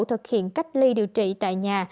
thực hiện cách ly điều trị tại nhà